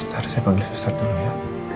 seterusnya pagi suster dulu ya